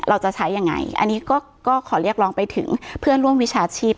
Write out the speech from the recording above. เราจะใช้ยังไงอันนี้ก็ขอเรียกร้องไปถึงเพื่อนร่วมวิชาชีพ